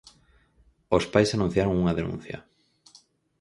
Os pais anunciaron unha denuncia.